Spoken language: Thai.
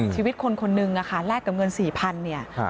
ชีวิตคนนึงแลกกับเงิน๔๐๐๐เนี่ย